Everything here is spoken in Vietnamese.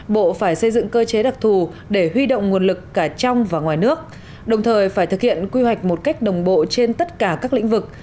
bộ phải xây dựng cơ chế đặc thù để huy động nguồn lực cả trong và ngoài nước đồng thời phải thực hiện quy hoạch một cách đồng bộ trên tất cả các lĩnh vực